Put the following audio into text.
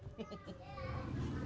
dia sudah makan